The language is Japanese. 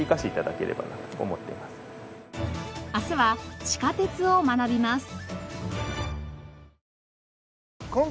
明日は地下鉄を学びます。